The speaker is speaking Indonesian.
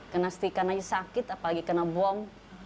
kena stikan aja sakit apalagi kena bom